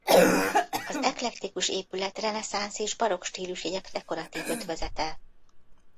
Az eklektikus épület reneszánsz és barokk stílusjegyek dekoratív ötvözete.